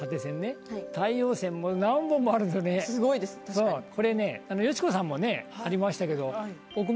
そうこれねよしこさんもねありましたけど。